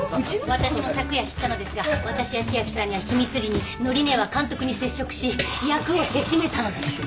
私も昨夜知ったのですが私や千明さんには秘密裏に典姉は監督に接触し役をせしめたのです。